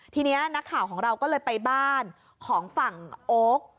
ทีนี้นักข่าวของเราก็เลยไปบ้านของฝั่งโอ๊ค